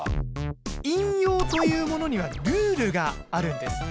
引用というものにはルールがあるんです。